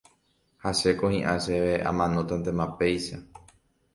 Ha chéko hi'ã chéve amanótantema péicha